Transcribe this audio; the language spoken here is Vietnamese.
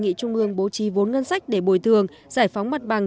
nghị trung ương bố trí vốn ngân sách để bồi thường giải phóng mặt bằng